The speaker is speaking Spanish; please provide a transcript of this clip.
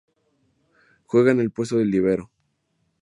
Juega en el puesto de Líbero.